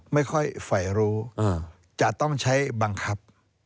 ไม่ค่อยฝ่ายรู้จะต้องใช้บังคับ